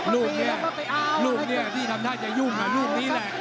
รูปนี้รูปนี้ทำท่าจะยุ่งรูปนี้แหละ